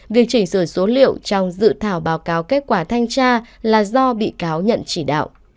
việc chỉnh sửa số liệu trong dự thảo báo cáo kết quả thanh tra là do bị cáo nhận chỉ đạo